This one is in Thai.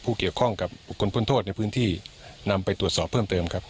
ผู้เกี่ยวข้องกับบุคคลพ้นโทษในพื้นที่นำไปตรวจสอบเพิ่มเติมครับ